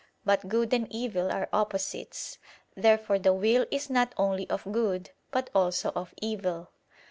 But good and evil are opposites. Therefore the will is not only of good, but also of evil.